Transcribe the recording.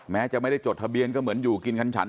แม้จะไม่ได้จดทะเบียนก็เหมือนอยู่กินคันฉัน